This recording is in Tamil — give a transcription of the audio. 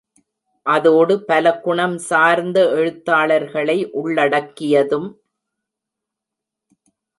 அதோடு பல குணம் சார்ந்த எழுத்தாளர்களை உள்ளடக்கியதும்.